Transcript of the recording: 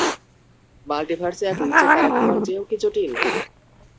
মাল্টিভার্সে এক উইচের তাড়া খাওয়ার চেয়েও কি জটিল?